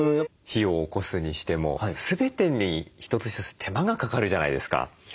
火をおこすにしても全てに一つ一つ手間がかかるじゃないですか。